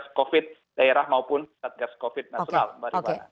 satgas covid daerah maupun satgas covid nasional